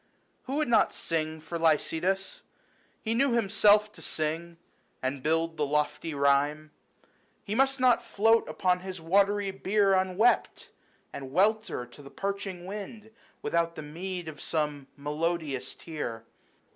~Who would not sing for Lycidas ? he knew 10 Himself to sing, and build the lofty rhyme. He must not float upon his watery bier Unwept, and welter to the parching wind, Without the meed of some melodious tear.